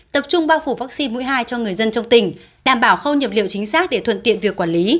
tập trung bao phủ vaccine mũi hai cho người dân trong tỉnh đảm bảo khâu nhập liệu chính xác để thuận tiện việc quản lý